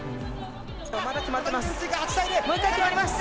まだ決まってます。